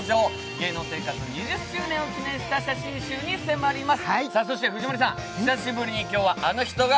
芸能生活２０周年を記念した写真集に迫ります。